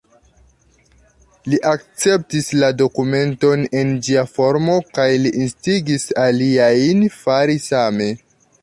Li akceptis la dokumenton en ĝia formo, kaj li instigis aliajn fari same.